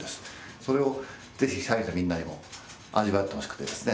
それを是非社員のみんなにも味わってほしくてですね